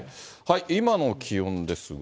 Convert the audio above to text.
今の気温ですが。